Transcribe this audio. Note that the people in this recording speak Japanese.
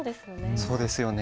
そうですよね。